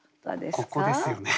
ここですよね。